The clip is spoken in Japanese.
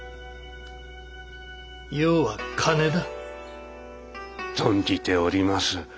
要は金だ。存じております。